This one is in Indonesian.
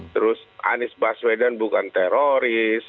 terus anies baswedan bukan teroris